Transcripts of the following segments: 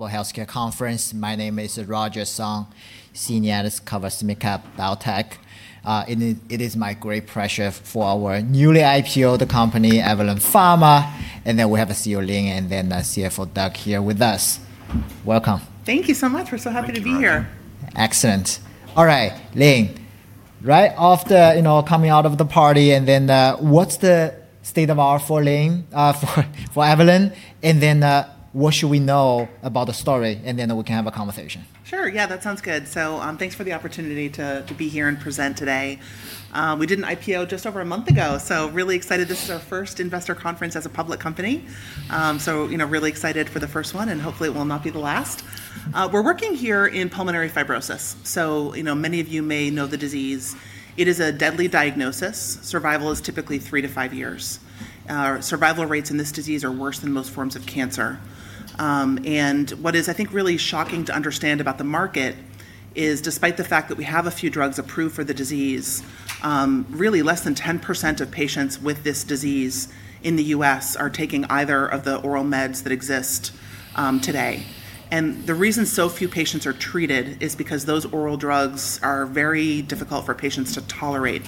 Global Healthcare Conference. My name is Roger Song, Senior Analyst covers med tech. It is my great pleasure for our newly IPO'd company, Avalyn Pharma. Then we have CEO Lyn, and then CFO Doug here with us. Welcome. Thank you so much. We're so happy to be here. Excellent. All right. Lyn, right after coming out of the party, what's the state of our for Lyn, for Avalyn? What should we know about the story? We can have a conversation. Sure. Yeah, that sounds good. Thanks for the opportunity to be here and present today. We did an IPO just over a month ago, really excited. This is our first investor conference as a public company. Really excited for the first one, and hopefully it will not be the last. We're working here in pulmonary fibrosis, many of you may know the disease. It is a deadly diagnosis. Survival is typically three to five years. Survival rates in this disease are worse than most forms of cancer. What is, I think, really shocking to understand about the market is despite the fact that we have a few drugs approved for the disease, really less than 10% of patients with this disease in the U.S. are taking either of the oral meds that exist today. The reason so few patients are treated is because those oral drugs are very difficult for patients to tolerate.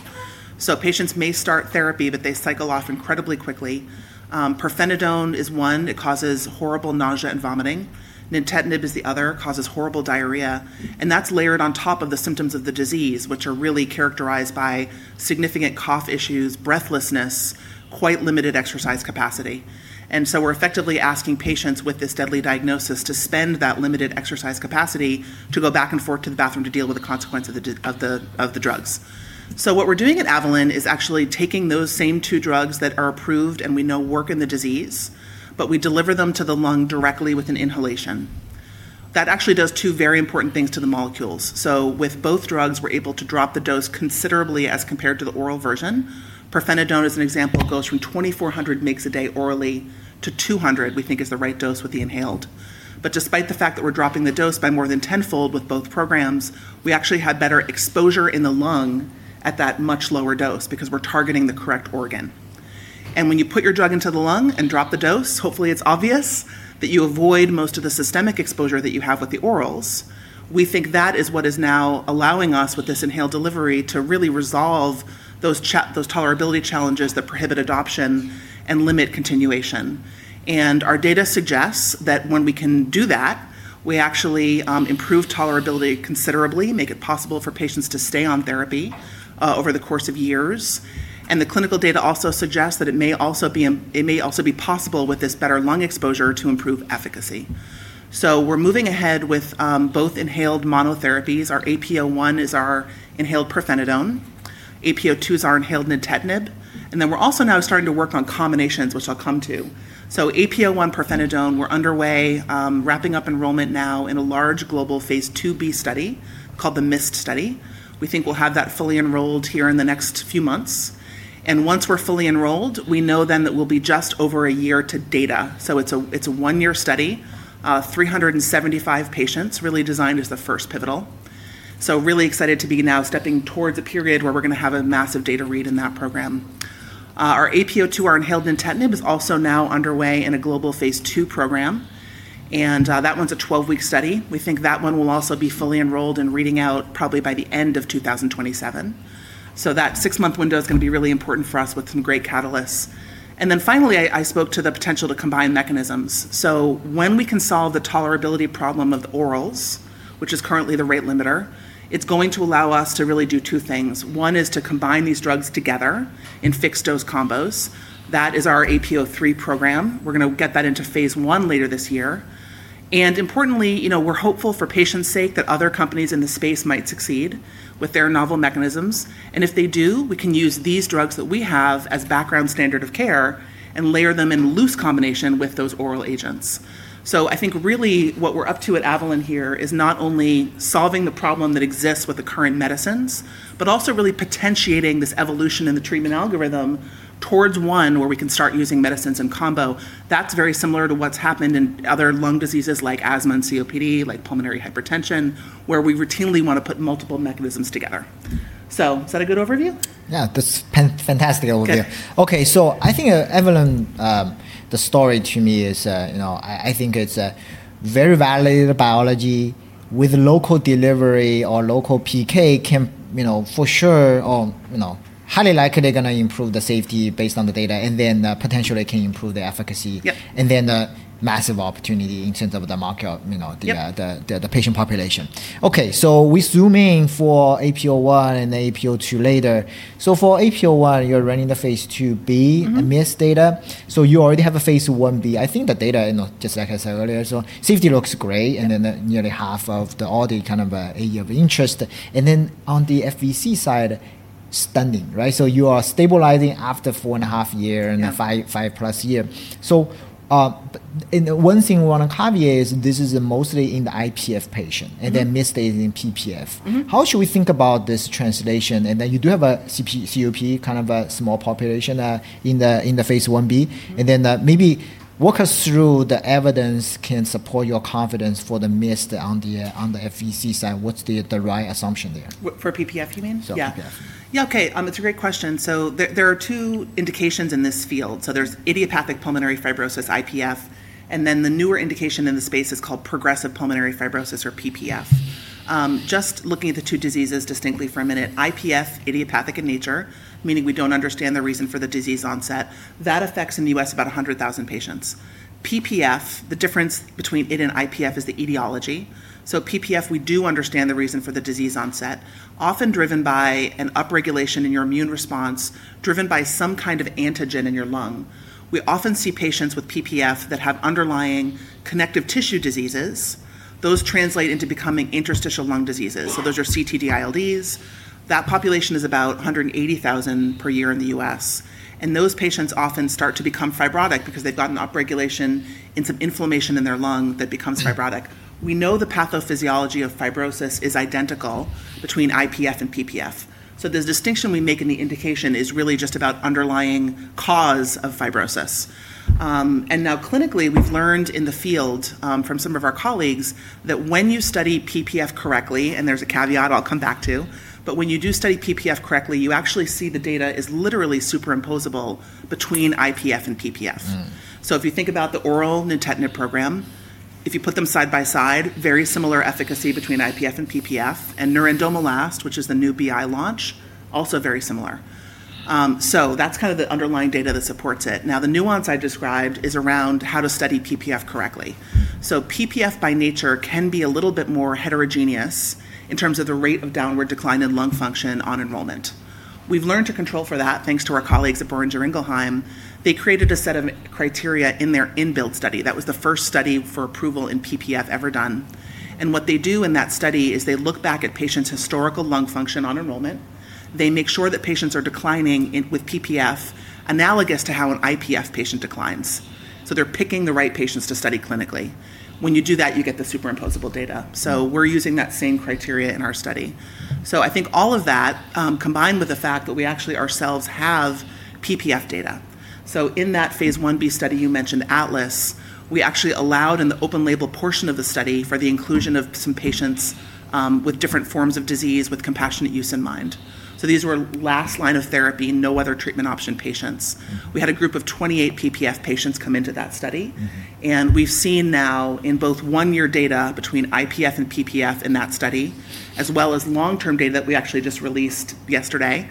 Patients may start therapy, but they cycle off incredibly quickly. pirfenidone is one. It causes horrible nausea and vomiting. nintedanib is the other, causes horrible diarrhea, and that's layered on top of the symptoms of the disease, which are really characterized by significant cough issues, breathlessness, quite limited exercise capacity. We're effectively asking patients with this deadly diagnosis to spend that limited exercise capacity to go back and forth to the bathroom to deal with the consequence of the drugs. What we're doing at Avalyn is actually taking those same two drugs that are approved and we know work in the disease, but we deliver them to the lung directly with an inhalation. That actually does two very important things to the molecules. With both drugs, we're able to drop the dose considerably as compared to the oral version. pirfenidone as an example, goes from 2,400 mg a day orally to 200 we think is the right dose with the inhaled. Despite the fact that we're dropping the dose by more than 10-fold with both programs, we actually had better exposure in the lung at that much lower dose because we're targeting the correct organ. When you put your drug into the lung and drop the dose, hopefully it's obvious that you avoid most of the systemic exposure that you have with the orals. We think that is what is now allowing us with this inhaled delivery to really resolve those tolerability challenges that prohibit adoption and limit continuation. Our data suggests that when we can do that, we actually improve tolerability considerably, make it possible for patients to stay on therapy over the course of years. The clinical data also suggests that it may also be possible with this better lung exposure to improve efficacy. We're moving ahead with both inhaled monotherapies. Our AP01 is our inhaled pirfenidone, AP02 is our inhaled nintedanib, and then we're also now starting to work on combinations, which I'll come to. AP01 pirfenidone, we're underway, wrapping up enrollment now in a large global phase II-B study called the MIST study. We think we'll have that fully enrolled here in the next few months. Once we're fully enrolled, we know then that we'll be just over a year to data. It's a 1-year study, 375 patients, really designed as the first pivotal. Really excited to be now stepping towards a period where we're going to have a massive data read in that program. Our AP02, our inhaled nintedanib, is also now underway in a global phase II program. That one's a 12-week study. We think that one will also be fully enrolled and reading out probably by the end of 2027. That six-month window is going to be really important for us with some great catalysts. Finally, I spoke to the potential to combine mechanisms. When we can solve the tolerability problem of the orals, which is currently the rate limiter, it's going to allow us to really do two things. One is to combine these drugs together in fixed-dose combos. That is our AP03 program. We're going to get that into phase I later this year. Importantly, we're hopeful for patients' sake that other companies in this space might succeed with their novel mechanisms. If they do, we can use these drugs that we have as background standard of care and layer them in loose combination with those oral agents. I think really what we're up to at Avalyn here is not only solving the problem that exists with the current medicines, but also really potentiating this evolution in the treatment algorithm towards one where we can start using medicines in combo. That's very similar to what's happened in other lung diseases like asthma and COPD, like pulmonary hypertension, where we routinely want to put multiple mechanisms together. Is that a good overview? Yeah, that's fantastic overview. Good. Okay. I think Avalyn, the story to me is, I think it's a very validated biology with local delivery or local PK can for sure, or highly likely going to improve the safety based on the data, and then potentially can improve the efficacy. Yeah. The massive opportunity in terms of the market. Yep the patient population. Okay. We zoom in for AP01 and AP02 later. For AP01, you're running the phase II-B- MIST data. You already have a phase I-B. I think the data, just like I said earlier, so safety looks great. Yeah Nearly half of the order unit of interest. On the FVC side, stunning, right? You are stabilizing after four and a half year. Yeah 5+ year. One thing we want to caveat is this is mostly in the IPF patients. MIST is studying PPF. How should we think about this translation? You do have a COPD, kind of a small population in the phase I-B. Maybe walk us through the evidence that can support your confidence for the MIST on the FVC side. What's the right assumption there? For PPF you mean? Yeah. Yeah. Okay. It's a great question. There are two indications in this field. There's Idiopathic Pulmonary Fibrosis, IPF, and then the newer indication in the space is called Progressive Pulmonary Fibrosis or PPF. Just looking at the two diseases distinctly for a minute, IPF, idiopathic in nature, meaning we don't understand the reason for the disease onset. That affects in the U.S. about 100,000 patients. PPF, the difference between it and IPF is the etiology. PPF, we do understand the reason for the disease onset, often driven by an upregulation in your immune response, driven by some kind of antigen in your lung. We often see patients with PPF that have underlying connective tissue diseases. Those translate into becoming interstitial lung diseases. Those are CTD-ILDs. That population is about 180,000 per year in the U.S., and those patients often start to become fibrotic because they've got an upregulation and some inflammation in their lung that becomes fibrotic. We know the pathophysiology of fibrosis is identical between IPF and PPF. The distinction we make in the indication is really just about the underlying cause of fibrosis. Now clinically, we've learned in the field from some of our colleagues that when you study PPF correctly, and there's a caveat I'll come back to, but when you do study PPF correctly, you actually see the data is literally superimposable between IPF and PPF. If you think about the oral nintedanib program, if you put them side by side, very similar efficacy between IPF and PPF, and pirfenidone, which is the new BI launch, also very similar. The nuance I described is around how to study PPF correctly. PPF by nature can be a little bit more heterogeneous in terms of the rate of downward decline in lung function on enrollment. We've learned to control for that, thanks to our colleagues at Boehringer Ingelheim. They created a set of criteria in their INBUILD study. That was the first study for approval in PPF ever done. What they do in that study is they look back at patients' historical lung function on enrollment. They make sure that patients are declining with PPF analogous to how an IPF patient declines. They're picking the right patients to study clinically. When you do that, you get the superimposable data. We're using that same criteria in our study. I think all of that, combined with the fact that we actually ourselves have PPF data. In that phase I-B study you mentioned, ATLAS, we actually allowed in the open label portion of the study for the inclusion of some patients with different forms of disease, with compassionate use in mind. These were last line of therapy, no other treatment option patients. We had a group of 28 PPF patients come into that study. We've seen now in both one-year data between IPF and PPF in that study, as well as long-term data that we actually just released yesterday.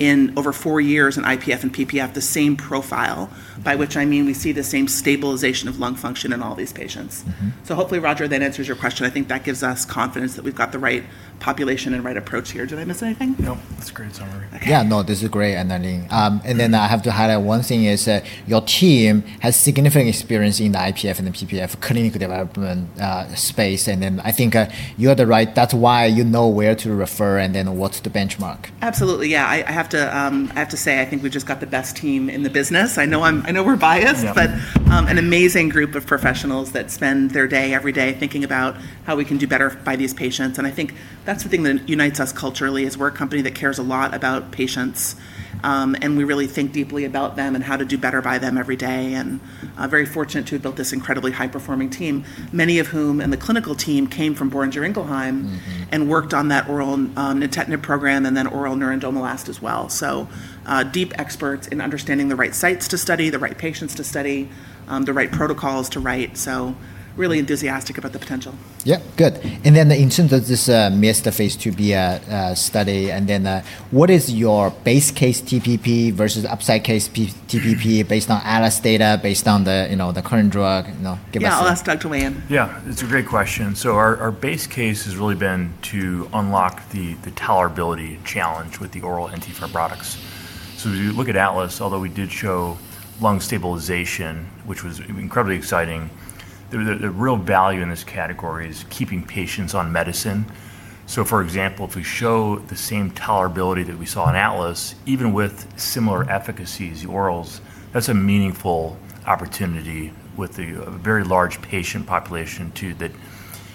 in over four years in IPF and PPF, the same profile, by which I mean we see the same stabilization of lung function in all these patients. Hopefully, Roger, that answers your question. I think that gives us confidence that we've got the right population and right approach here. Did I miss anything? No, that's great summary. Okay. Yeah, no, this is great. I have to highlight one thing is your team has significant experience in the IPF and the PPF clinical development space. That's why you know where to refer and what's the benchmark. Absolutely. Yeah. I have to say, I think we've just got the best team in the business. I know we're biased Yeah. An amazing group of professionals that spend their day every day thinking about how we can do better by these patients, and I think that's the thing that unites us culturally, is we're a company that cares a lot about patients. We really think deeply about them and how to do better by them every day, and very fortunate to have built this incredibly high-performing team. Many of whom in the clinical team came from Boehringer Ingelheim. Worked on that oral nintedanib program and then oral pirfenidone as well. Deep experts in understanding the right sites to study, the right patients to study, the right protocols to write. Really enthusiastic about the potential. Yeah. Good. In terms of this MIST phase IIb study, what is your base case TPP versus upside case TPP based on ATLAS data, based on the current drug? Yeah, I'll ask Doug to weigh in. Yeah. It's a great question. Our base case has really been to unlock the tolerability challenge with the oral antifibrotics. If you look at ATLAS, although we did show lung stabilization, which was incredibly exciting, the real value in this category is keeping patients on medicine. For example, if we show the same tolerability that we saw in ATLAS, even with similar efficacy as the orals, that's a meaningful opportunity with a very large patient population too, that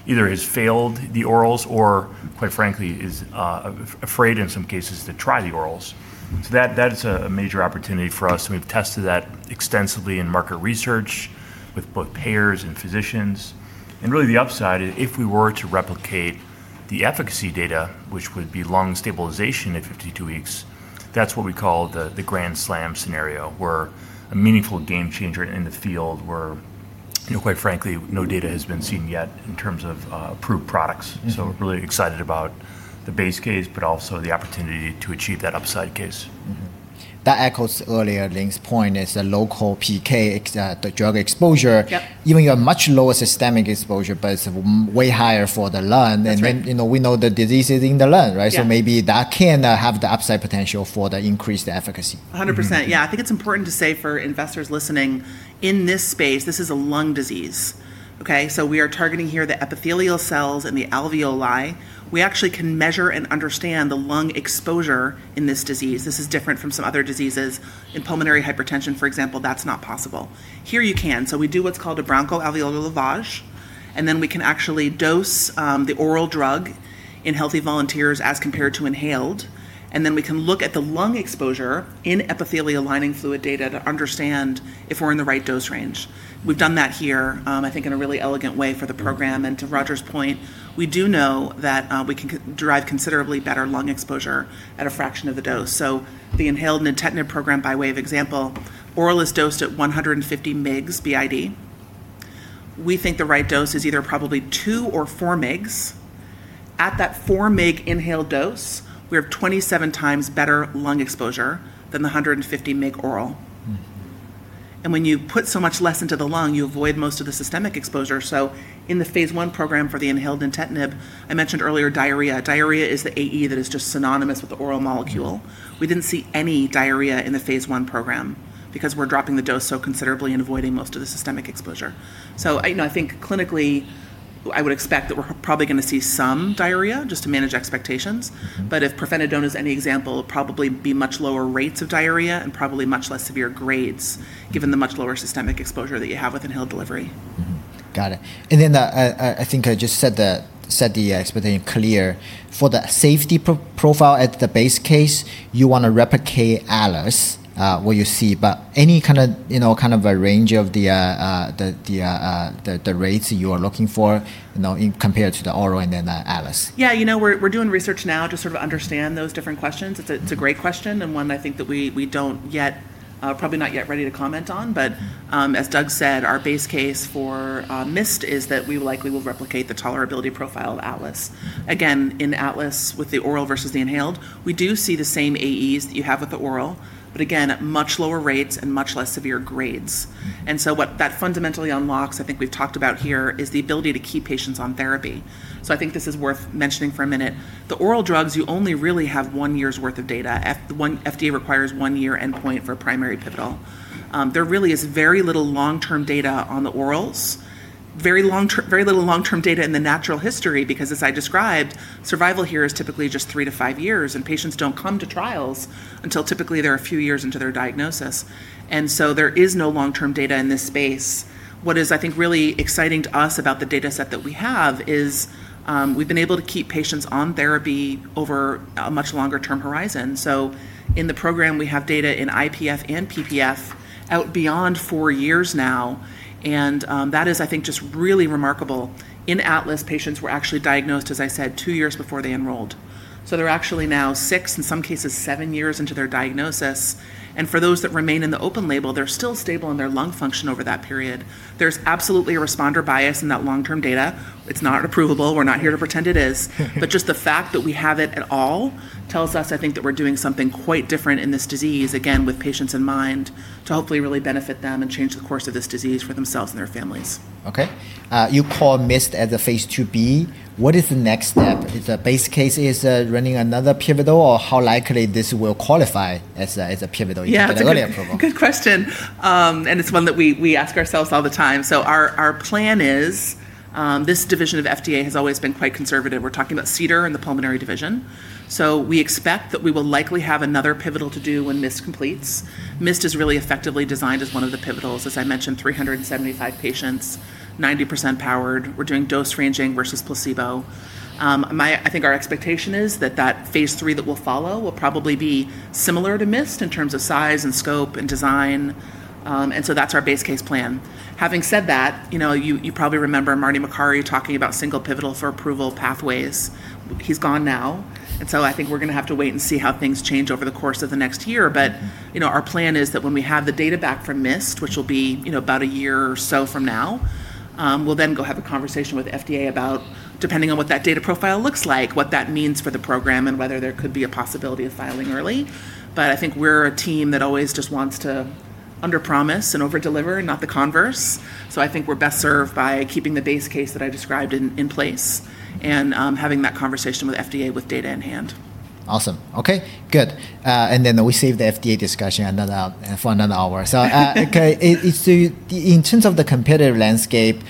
either has failed the orals or quite frankly is afraid in some cases to try the orals. That's a major opportunity for us, and we've tested that extensively in market research with both payers and physicians. Really the upside is if we were to replicate the efficacy data, which would be lung stabilization at 52 weeks, that's what we call the grand slam scenario, where a meaningful game-changer in the field where, quite frankly, no data has been seen yet in terms of approved products. We're really excited about the base case, but also the opportunity to achieve that upside case. That echoes earlier Lyn's point is the local PK, the drug exposure. Yep. Even your much lower systemic exposure, but it's way higher for the lung. That's right. We know the disease is in the lung, right? Yeah. Maybe that can have the upside potential for the increased efficacy. 100%, yeah. I think it's important to say for investors listening, in this space, this is a lung disease, okay? We are targeting here the epithelial cells and the alveoli. We actually can measure and understand the lung exposure in this disease. This is different from some other diseases. In pulmonary hypertension, for example, that's not possible. Here you can. We do what's called a bronchoalveolar lavage, and then we can actually dose the oral drug in healthy volunteers as compared to inhaled, and then we can look at the lung exposure in epithelial lining fluid data to understand if we're in the right dose range. We've done that here, I think in a really elegant way for the program. To Roger's point, we do know that we can derive considerably better lung exposure at a fraction of the dose. The inhaled nintedanib program, by way of example, oral is dosed at 150 mg b.i.d. We think the right dose is either probably two or four mg. At that four mg inhaled dose, we have 27 times better lung exposure than the 150 mg oral. When you put so much less into the lung, you avoid most of the systemic exposure. In the phase I program for the inhaled nintedanib, I mentioned earlier diarrhea. Diarrhea is the AE that is just synonymous with the oral molecule. We didn't see any diarrhea in the phase I program because we're dropping the dose so considerably and avoiding most of the systemic exposure. I think clinically, I would expect that we're probably going to see some diarrhea, just to manage expectations. If pirfenidone is any example, it'll probably be much lower rates of diarrhea and probably much less severe grades given the much lower systemic exposure that you have with inhaled delivery. Got it. I think I just set the expectation clear. For the safety profile at the base case, you want to replicate ATLAS, what you see. Any kind of a range of the rates you are looking for compared to the oral and the ATLAS? Yeah, we're doing research now to sort of understand those different questions. It's a great question, and one I think that we don't yet, probably not yet ready to comment on. As Doug said, our base case for MIST is that we likely will replicate the tolerability profile of ATLAS. Again, in ATLAS with the oral versus the inhaled, we do see the same AEs that you have with the oral. Again, much lower rates and much less severe grades. What that fundamentally unlocks, I think we've talked about here, is the ability to keep patients on therapy. I think this is worth mentioning for a minute. The oral drugs, you only really have one year's worth of data. FDA requires one year endpoint for primary pivotal. There really is very little long-term data on the orals. Very little long-term data in the natural history because, as I described, survival here is typically just three to five years, and patients don't come to trials until typically they're a few years into their diagnosis. There is no long-term data in this space. What is, I think, really exciting to us about the data set that we have is we've been able to keep patients on therapy over a much longer- term horizon. In the program, we have data in IPF and PPF out beyond four years now, and that is, I think, just really remarkable. In ATLAS, patients were actually diagnosed, as I said, two years before they enrolled. They're actually now six, in some cases, seven years into their diagnosis. For those that remain in the open label, they're still stable in their lung function over that period. There's absolutely a responder bias in that long-term data. It's not approvable. We're not here to pretend it is. Just the fact that we have it at all tells us, I think, that we're doing something quite different in this disease, again, with patients in mind to hopefully really benefit them and change the course of this disease for themselves and their families. Okay. You call MIST as a phase IIb. What is the next step? Is the base case running another pivotal, or how likely this will qualify as a pivotal? Yeah early approval? Good question. It's one that we ask ourselves all the time. Our plan is, this division of FDA has always been quite conservative. We're talking about CDER and the pulmonary division. We expect that we will likely have another pivotal to do when MIST completes. MIST is really effectively designed as one of the pivotals. As I mentioned, 375 patients, 90% powered. We're doing dose ranging versus placebo. I think our expectation is that that phase III that will follow will probably be similar to MIST in terms of size and scope and design. That's our base case plan. Having said that, you probably remember Marty Makary talking about single pivotal for approval pathways. He's gone now. I think we're going to have to wait and see how things change over the course of the next year. Our plan is that when we have the data back from MIST, which will be about a year or so from now, we'll then go have a conversation with FDA about, depending on what that data profile looks like, what that means for the program and whether there could be a possibility of filing early. I think we're a team that always just wants to underpromise and overdeliver, not the converse. I think we're best served by keeping the base case that I described in place and having that conversation with FDA with data in hand. Awesome. Okay, good. We save the FDA discussion for another hour, so. Okay. In terms of the competitive landscape,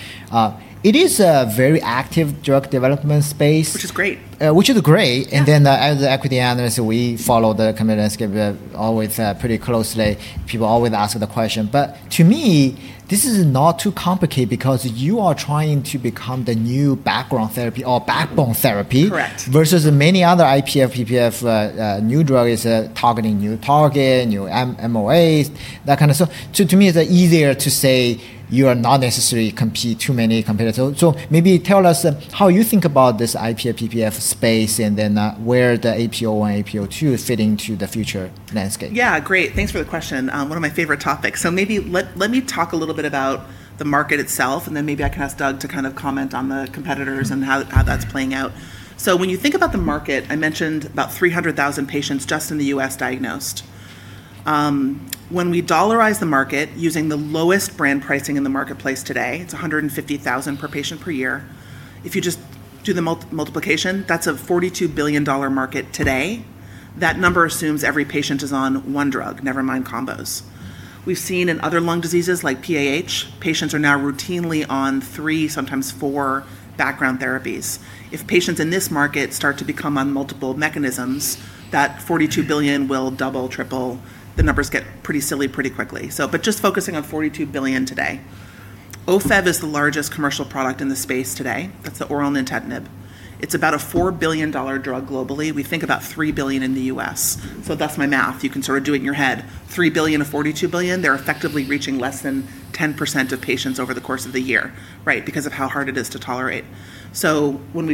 it is a very active drug development space. Which is great. Which is great. Yeah. As an equity analyst, we follow the competitive landscape always pretty closely. People always ask the question. To me, this is not too complicated because you are trying to become the new background therapy or backbone therapy. Correct versus many other IPF, PPF new drugs targeting new target, new MOAs, that kind of stuff. To me, it's easier to say you are not necessarily compete too many competitors. Maybe tell us how you think about this IPF, PPF space, and then where the AP01, AP02 fit into the future landscape. Yeah. Great. Thanks for the question. One of my favorite topics. Maybe let me talk a little bit about the market itself, and then maybe I can ask Doug to kind of comment on the competitors and how that's playing out. When you think about the market, I mentioned about 300,000 patients just in the U.S. diagnosed. When we dollarize the market using the lowest brand pricing in the marketplace today, it's $150,000 per patient per year. If you just do the multiplication, that's a $42 billion market today. That number assumes every patient is on one drug, never mind combos. We've seen in other lung diseases like PAH, patients are now routinely on three, sometimes four background therapies. If patients in this market start to become on multiple mechanisms, that $42 billion will double, triple. The numbers get pretty silly pretty quickly. Just focusing on $42 billion today. OFEV is the largest commercial product in the space today. That's the oral nintedanib. It's about a $4 billion drug globally. We think about $3 billion in the U.S. That's my math. You can sort of do it in your head. $3 billion of $42 billion, they're effectively reaching less than 10% of patients over the course of the year, right, because of how hard it is to tolerate. When we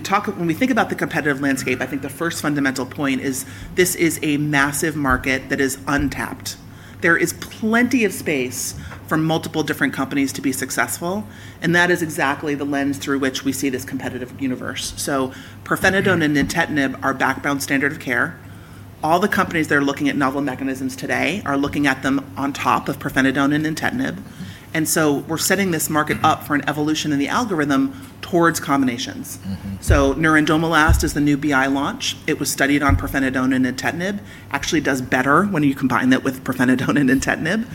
think about the competitive landscape, I think the first fundamental point is this is a massive market that is untapped. There is plenty of space for multiple different companies to be successful, and that is exactly the lens through which we see this competitive universe. Pirfenidone and nintedanib are backbone standard of care. All the companies that are looking at novel mechanisms today are looking at them on top of pirfenidone and nintedanib. We're setting this market up for an evolution in the algorithm towards combinations. nerandomilast is the new BI launch. It was studied on pirfenidone and nintedanib. Actually does better when you combine it with pirfenidone and nintedanib.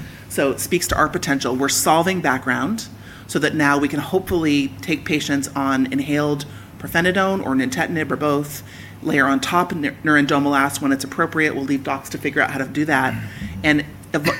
It speaks to our potential. We're solving background so that now we can hopefully take patients on inhaled pirfenidone or nintedanib or both, layer on top nerandomilast when it's appropriate. We'll leave docs to figure out how to do that, and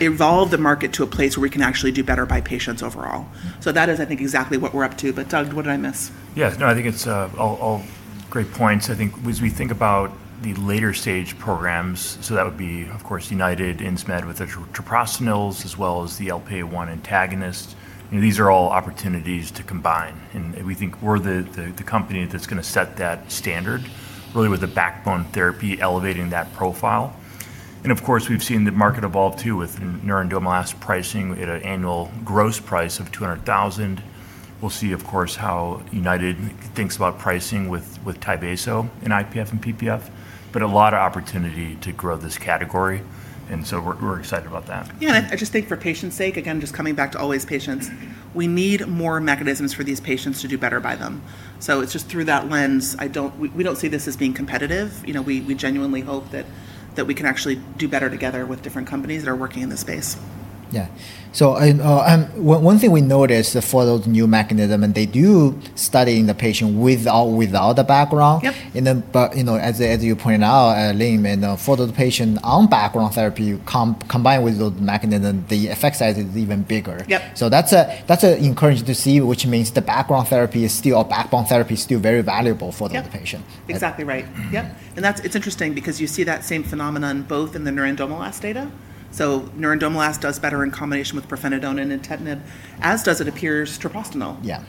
evolve the market to a place where we can actually do better by patients overall. That is, I think, exactly what we're up to. Doug, what did I miss? Yes. No, I think it's all great points. I think as we think about the later-stage programs, that would be, of course, United, Insmed with the treprostinils, as well as the LPA1 antagonists. These are all opportunities to combine. We think we're the company that's going to set that standard, really with the backbone therapy elevating that profile. Of course, we've seen the market evolve, too, with nerandomilast pricing at an annual gross price of $200,000. We'll see, of course, how United thinks about pricing with Tyvaso in IPF and PPF, but a lot of opportunity to grow this category, and so we're excited about that. I just think for patients' sake, again, just coming back to always patients, we need more mechanisms for these patients to do better by them. It's just through that lens, we don't see this as being competitive. We genuinely hope that we can actually do better together with different companies that are working in this space. Yeah. One thing we noticed for those new mechanism, and they do study the patient with or without the background. Yep. As you pointed out, Lyn, for the patient on background therapy combined with the mechanism, the effect size is even bigger. Yep. That's encouraging to see, which means the backbone therapy is still very valuable for the patient. Yep. Exactly right. Yep. It's interesting because you see that same phenomenon both in the nerandomilast data. Nerandomilast does better in combination with pirfenidone and nintedanib, as does it appears treprostinil. Yeah.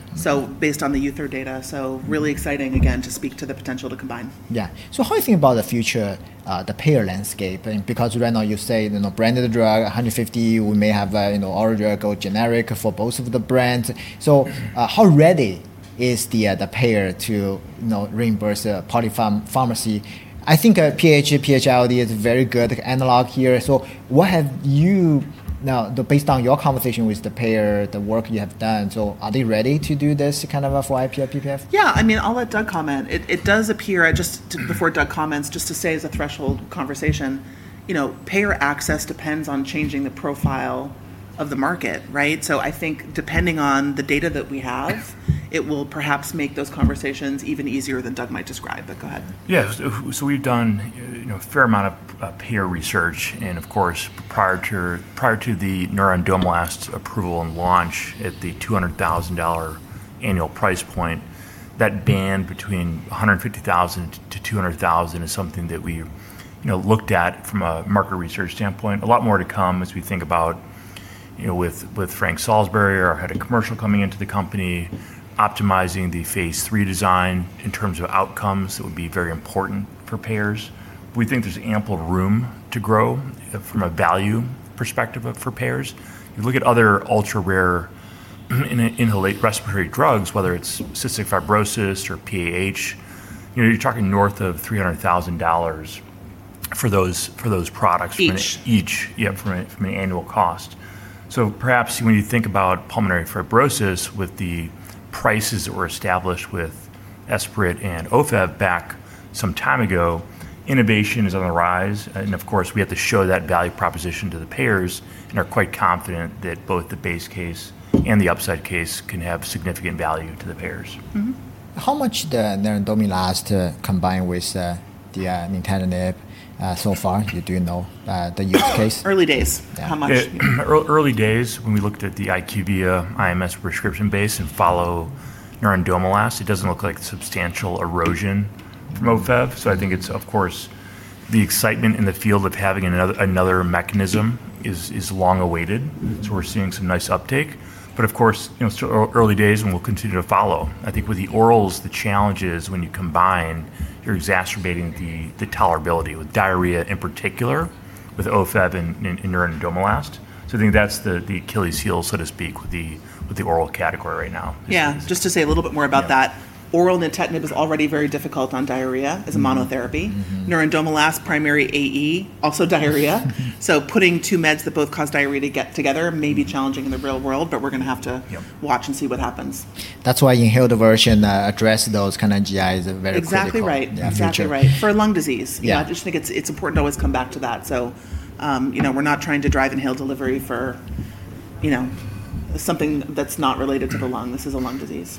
Based on the UTHRO data, really exciting, again, to speak to the potential to combine. Yeah. How you think about the future, the payer landscape? Because right now you say, branded drug, $150, we may have generic for both of the brands. How ready is the payer to reimburse polypharmacy? I think PAH-ILD is a very good analog here. What have you now, based on your conversation with the payer, the work you have done, so are they ready to do this kind of for IPF, PPF? Yeah. I'll let Doug comment. It does appear, just before Doug comments, just to say as a threshold conversation, payer access depends on changing the profile of the market, right? I think depending on the data that we have, it will perhaps make those conversations even easier than Doug might describe. Go ahead. Yeah. We've done a fair amount of peer research, and of course, prior to the nerandomilast approval and launch at the $200,000 annual price point, that band between $150,000-$200,000 is something that we looked at from a market research standpoint. A lot more to come as we think about with Frank Salisbury, our Head of Commercial coming into the company, optimizing the phase III design in terms of outcomes, that would be very important for payers. We think there's ample room to grow from a value perspective for payers. You look at other ultra-rare inhaled respiratory drugs, whether it's cystic fibrosis or PAH, you're talking north of $300,000 for those products. Each each from an annual cost. Perhaps when you think about pulmonary fibrosis with the prices that were established with Esbriet and OFEV back some time ago, innovation is on the rise, and of course, we have to show that value proposition to the payers and are quite confident that both the base case and the upside case can have significant value to the payers. How much the nerandomilast combined with the nintedanib so far? Do you know the use case? Early days. How much? Early days when we looked at the IQVIA IMS prescription base and follow nerandomilast, it doesn't look like substantial erosion from OFEV. I think it's, of course, the excitement in the field of having another mechanism is long awaited. We're seeing some nice uptake. Of course, still early days, and we'll continue to follow. I think with the orals, the challenge is when you combine, you're exacerbating the tolerability with diarrhea, in particular, with OFEV and nerandomilast. I think that's the Achilles' heel, so to speak, with the oral category right now. Yeah. Just to say a little bit more about that. Yeah. Oral nintedanib is already very difficult on diarrhea as a monotherapy. nerandomilast primary AE, also diarrhea. Putting two meds that both cause diarrhea together may be challenging in the real world, but we're going to have to Yep watch and see what happens. That's why inhaled version address those kind of GIs are very critical. Exactly right. in the future. Exactly right. For lung disease. Yeah. I just think it's important to always come back to that. We're not trying to drive inhaled delivery for something that's not related to the lung. This is a lung disease.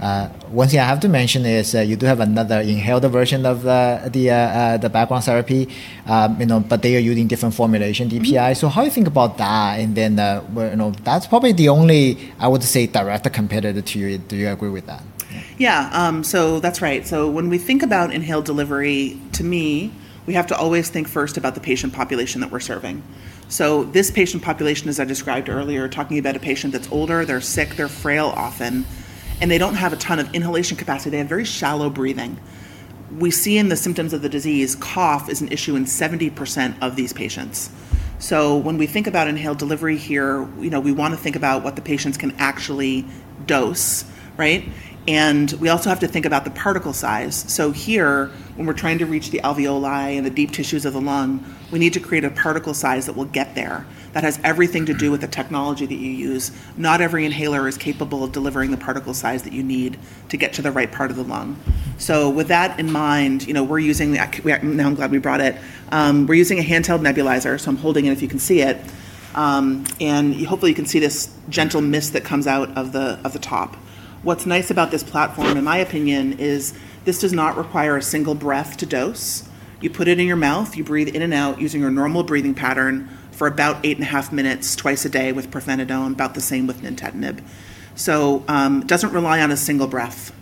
Yeah. One thing I have to mention is you do have another inhaled version of the background therapy. They are using different formulation DPI. How you think about that? That's probably the only, I would say, direct competitor to you. Do you agree with that? Yeah. That's right. When we think about inhaled delivery, to me, we have to always think first about the patient population that we're serving. This patient population, as I described earlier, talking about a patient that's older, they're sick, they're frail often, and they don't have a ton of inhalation capacity. They have very shallow breathing. We see in the symptoms of the disease, cough is an issue in 70% of these patients. When we think about inhaled delivery here, we want to think about what the patients can actually dose. Right? We also have to think about the particle size. Here, when we're trying to reach the alveoli and the deep tissues of the lung, we need to create a particle size that will get there. That has everything to do with the technology that you use. Not every inhaler is capable of delivering the particle size that you need to get to the right part of the lung. With that in mind, we're using a handheld nebulizer, so I'm holding it if you can see it. Hopefully you can see this gentle mist that comes out of the top. What's nice about this platform, in my opinion, is this does not require a single breath to dose. You put it in your mouth, you breathe in and out using your normal breathing pattern for about eight and a half minutes twice a day with pirfenidone, about the same with nintedanib. It doesn't rely on a single breath.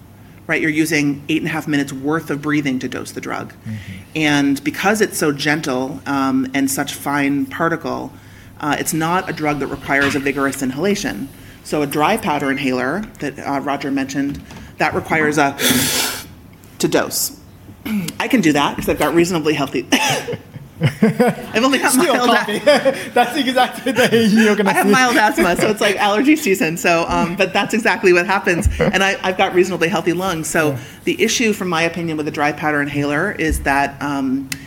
Right? You're using eight and a half minutes worth of breathing to dose the drug. Because it's so gentle, and such fine particle, it's not a drug that requires a vigorous inhalation. A dry powder inhaler that Roger mentioned, that requires a dose. I can do that because I've got reasonably healthy I've only got mild. Still coughing. I have mild asthma, it's like allergy season. That's exactly what happens. I've got reasonably healthy lungs. The issue from my opinion with a dry powder inhaler is that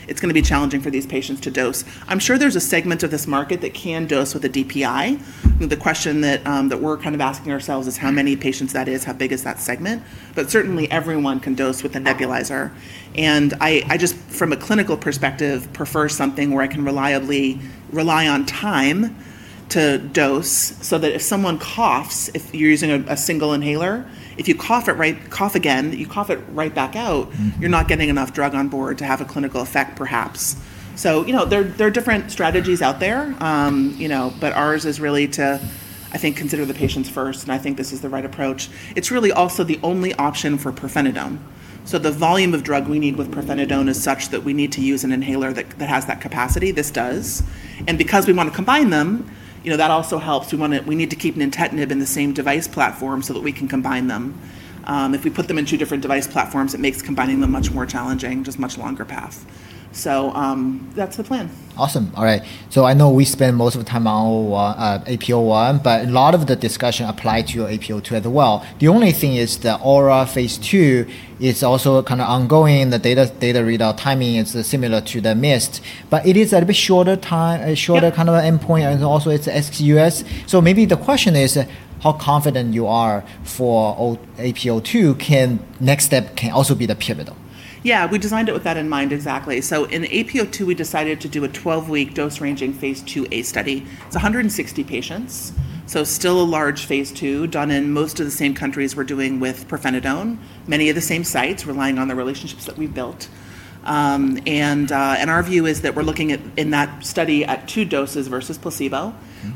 it's going to be challenging for these patients to dose. I'm sure there's a segment of this market that can dose with a DPI. The question that we're asking ourselves is how many patients that is, how big is that segment? Certainly everyone can dose with a nebulizer, and I just, from a clinical perspective, prefer something where I can rely on time to dose so that if someone coughs, if you're using a single inhaler, if you cough again, you cough it right back out. You're not getting enough drug on board to have a clinical effect perhaps. There are different strategies out there, but ours is really to, I think, consider the patients first, and I think this is the right approach. It's really also the only option for pirfenidone. The volume of drug we need with pirfenidone is such that we need to use an inhaler that has that capacity. This does. Because we want to combine them, that also helps. We need to keep nintedanib in the same device platform so that we can combine them. If we put them in two different device platforms, it makes combining them much more challenging, just much longer path. That's the plan. Awesome. All right. I know we spend most of the time on AP01, but a lot of the discussion apply to your AP02 as well. The only thing is the AURA phase II is also kind of ongoing. The data readout timing is similar to the MIST, but it is a little bit shorter. Yeah a shorter kind of endpoint, and also it's ex-U.S. Maybe the question is how confident you are for AP02 can next step can also be the pivotal? Yeah. We designed it with that in mind exactly. In AP02, we decided to do a 12-week dose ranging phase IIa study. It's 160 patients, so still a large phase II done in most of the same countries we're doing with pirfenidone. Many of the same sites relying on the relationships that we've built. Our view is that we're looking in that study at two doses versus placebo.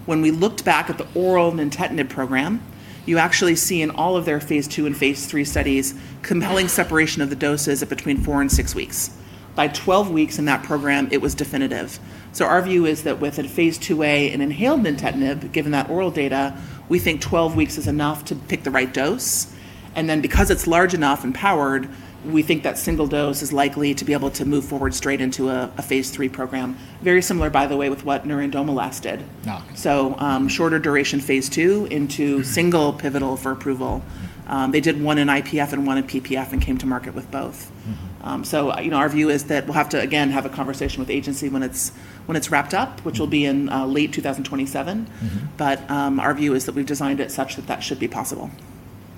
When we looked back at the oral nintedanib program, you actually see in all of their phase II and phase III studies compelling separation of the doses at between four and six weeks. By 12 weeks in that program, it was definitive. Our view is that with a phase IIa, an inhaled nintedanib, given that oral data, we think 12 weeks is enough to pick the right dose. Because it's large enough and powered, we think that single dose is likely to be able to move forward straight into a phase III program. Very similar, by the way, with what niraparib did. Shorter duration phase II into single pivotal for approval. They did one in IPF and one in PPF and came to market with both. Our view is that we'll have to, again, have a conversation with the agency when it's wrapped up, which will be in late 2027. Our view is that we've designed it such that that should be possible.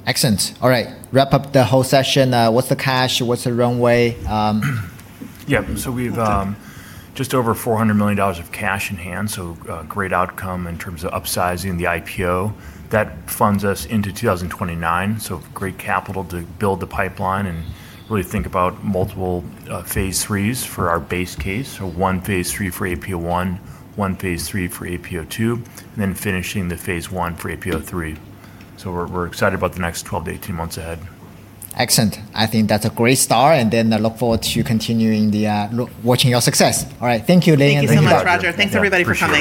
Excellent. All right. Wrap up the whole session. What's the cash? What's the runway? Yeah. One second. just over $400 million of cash in hand, so a great outcome in terms of upsizing the IPO. That funds us into 2029, so great capital to build the pipeline and really think about multiple phase IIIs for our base case. One phase III for AP01, one phase III for AP02, and then finishing the phase I for AP03. We're excited about the next 12 to 18 months ahead. Excellent. I think that's a great start, and then I look forward to continuing watching your success. All right. Thank you, Lyn, and thank you. Thank you so much, Roger. Thank you, Roger. Thanks, everybody, for coming.